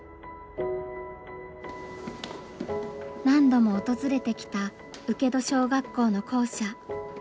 何度も訪れてきた請戸小学校の校舎。